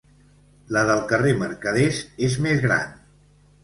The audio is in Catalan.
La del carrer Mercaders és més gran.